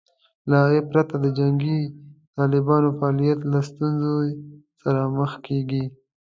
له هغوی پرته د جنګي طالبانو فعالیت له ستونزې سره مخ کېږي